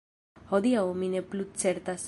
Hodiaŭ mi ne plu certas.